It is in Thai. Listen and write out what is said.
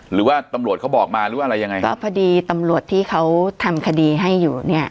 หรือว่าตำรวจเขาบอกมาหรืออะไรยังไงครับก็พอดีตำรวจที่เขาทำคดีให้อยู่เนี่ย